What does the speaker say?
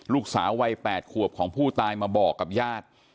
ลูกสาววัย๘ขวบของผู้ตายมาบอกกับญาติ